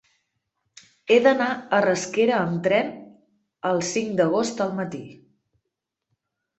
He d'anar a Rasquera amb tren el cinc d'agost al matí.